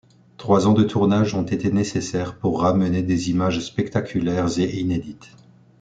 Trois ans de tournage ont été nécessaires pour ramener des images spectaculaires et inédites.